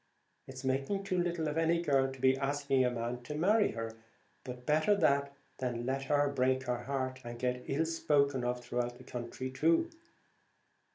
It's making too little of any girl to be asking a man to marry her, but better that than let her break her heart, and get ill spoken of through the country too."